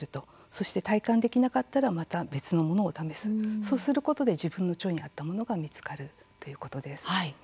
そして体感できなかったらまた別のものを試すとそうすることで自分の腸に合ったものが見つかるということです。